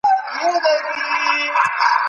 هارود او دومار ریاضیاتي ماډلونه جوړ کړل.